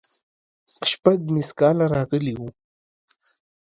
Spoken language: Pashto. شپږ ميسکاله راغلي وو.